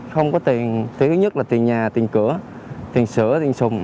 không có tiền tiền thứ nhất là tiền nhà tiền cửa tiền sữa tiền sùng